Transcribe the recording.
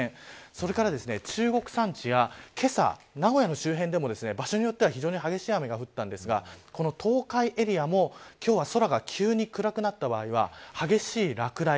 それから中国山地や、けさ名古屋の周辺でも場所によっては非常に激しい雨が降ったんですがこの東海エリアも今日は空が急に暗くなった場合は激しい落雷。